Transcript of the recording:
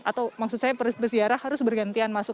atau maksud saya berziarah harus bergantian masuk